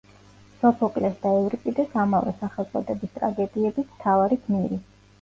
სოფოკლეს და ევრიპიდეს ამავე სახელწოდების ტრაგედიების მთავარი გმირი.